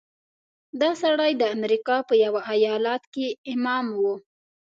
دا سړی د امریکا په یوه ایالت کې امام و.